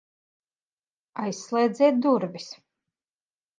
Aizslēdziet durvis!